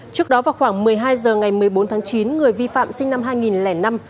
trước đó vào khoảng một mươi hai h ngày một mươi bốn tháng chín người vi phạm sinh năm hai nghìn năm